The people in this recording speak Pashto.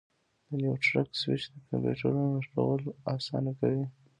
د نیټورک سویچ د کمپیوټرونو نښلول اسانه کوي.